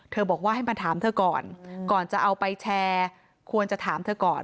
บอกว่าให้มาถามเธอก่อนก่อนจะเอาไปแชร์ควรจะถามเธอก่อน